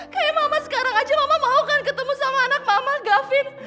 kayak mama sekarang aja mama mau kan ketemu sama anak mama gavin